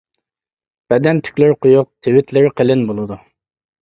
بەدەن تۈكلىرى قويۇق، تىۋىتلىرى قېلىن بولىدۇ.